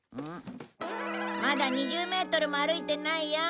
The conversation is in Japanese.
まだ２０メートルも歩いてないよ。